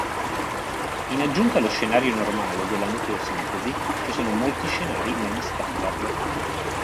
In aggiunta allo scenario normale della nucleosintesi, ci sono molti scenari non standard.